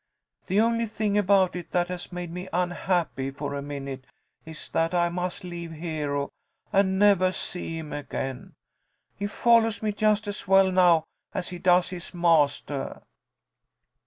The only thing about it that has made me unhappy for a minute is that I must leave Hero and nevah see him again. He follows me just as well now as he does his mastah."